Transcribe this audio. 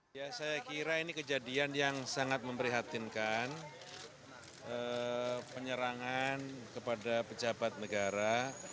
ya saya kira ini kejadian yang sangat memprihatinkan penyerangan kepada pejabat negara